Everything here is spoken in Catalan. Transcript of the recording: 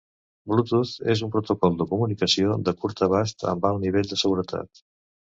Bluetooth és un protocol de comunicació de curt abast amb alt nivell de seguretat.